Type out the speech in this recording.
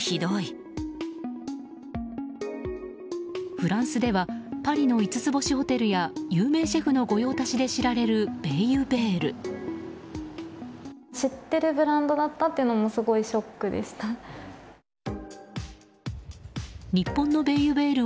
フランスではパリの五つ星ホテルや有名シェフの御用達で知られるベイユヴェール。